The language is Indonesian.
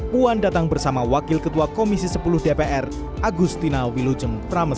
puan datang bersama wakil ketua komisi sepuluh dpr agustina wilujem prames